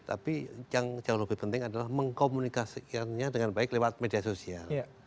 tapi yang jauh lebih penting adalah mengkomunikasikannya dengan baik lewat media sosial